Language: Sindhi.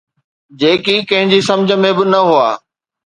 جيڪي ڪنهن جي سمجهه ۾ به نه هئا.